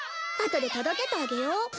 あとで届けてあげよう。